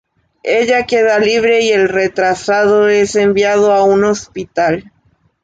Ella queda libre y el retrasado es enviado a un hospital.